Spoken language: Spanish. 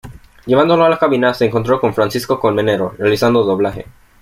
Llevándolo a la cabina, se encontró con Francisco Colmenero realizando doblaje.